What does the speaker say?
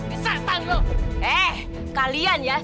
eh kalian ya